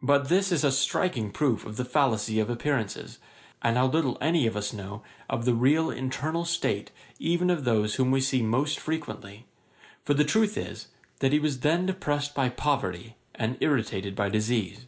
But this is a striking proof of the fallacy of appearances, and how little any of us know of the real internal state even of those whom we see most frequently; for the truth is, that he was then depressed by poverty, and irritated by disease.